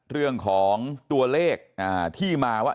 เรื่องของตัวเลขที่มาว่า